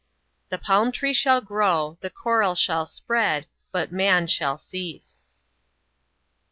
The palm tree shall grow, The coral shall spread, But man shall cease.